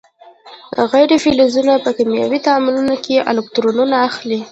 غیر فلزونه په کیمیاوي تعاملونو کې الکترونونه اخلي.